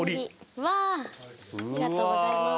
ありがとうございます。